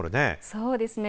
そうですね。